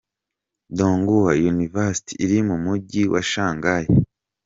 Donghua University iri mu Mujyi wa Shanghai.